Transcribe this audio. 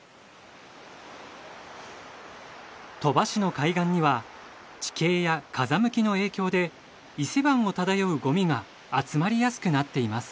鳥羽市の海岸には地形や風向きの影響で伊勢湾を漂うごみが集まりやすくなっています。